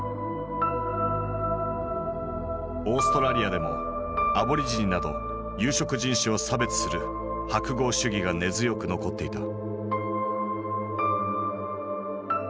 オーストラリアでもアボリジニなど有色人種を差別する白豪主義が根強く残っていた。